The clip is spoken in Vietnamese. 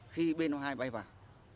khi b năm mươi hai bay vào